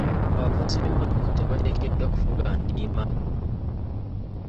Abavuzi b'emmotoka tebateekeddwa kuvuga ndiima.